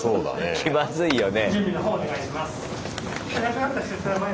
気まずいよね。